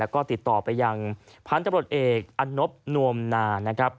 และติดต่อไปยังพันธบรรดเอกอันนบนวมนา